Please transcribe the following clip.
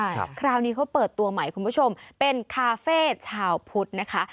คราวนี้เขาเปิดตัวใหม่คุณผู้ชมเป็นคาเฟ่ชาวพุทธนะคะ